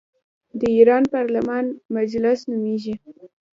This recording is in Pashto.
د ایران پارلمان مجلس نومیږي.